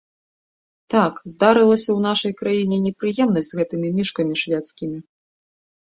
Так, здарылася ў нашай краіне непрыемнасць з гэтымі мішкамі шведскімі.